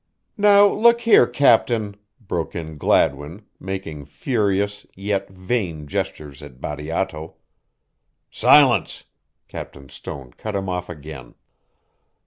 "Now look here, Captain " broke in Gladwin, making furious, yet vain, gestures at Bateato. "Silence!" Captain Stone cut him off again.